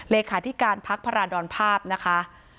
เลขาที่การพักภาระดอนภาพนะคะ